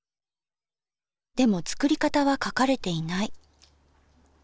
でも作り方は書かれていない。